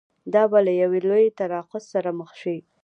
دا به له یوه لوی تناقض سره مخ شي.